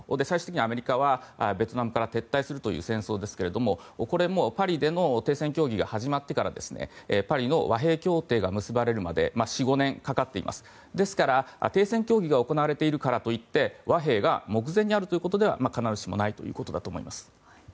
最終的にはアメリカはベトナムから撤退するという戦争ですがこれもパリでの停戦協議が始まってからパリの和平協定が結ばれるまで４５年かかっています停戦協議が行われているからといって和平が目前にあるということでは必ずしもないということだと思います。